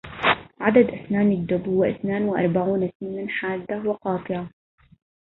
عدد اسنان الدب هو اثنان واربعون سنا حادة وقاطعة.